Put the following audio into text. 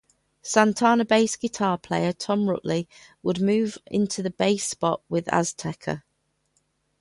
Santana bass guitar player Tom Rutley would move into the bass spot with Azteca.